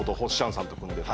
さんと組んでた。